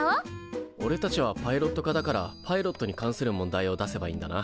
おれたちはパイロット科だからパイロットに関する問題を出せばいいんだな。